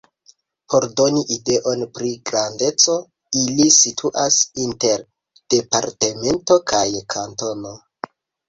Por doni ideon pri grandeco, ili situas inter departemento kaj kantono.